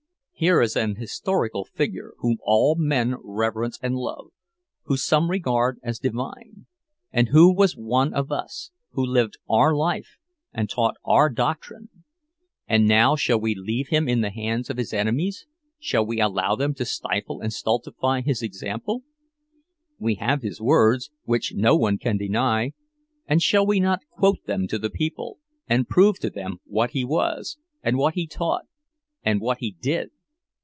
Here is an historical figure whom all men reverence and love, whom some regard as divine; and who was one of us—who lived our life, and taught our doctrine. And now shall we leave him in the hands of his enemies—shall we allow them to stifle and stultify his example? We have his words, which no one can deny; and shall we not quote them to the people, and prove to them what he was, and what he taught, and what he did?